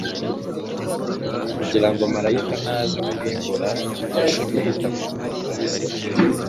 kugira ngo marayika naza kurimbura, abashe guhita ku ngo z'Abisiraheli.